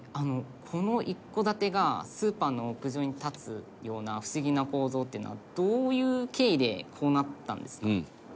この一戸建てがスーパーの屋上に立つような不思議な構造っていうのはどういう経緯でこうなったんですか？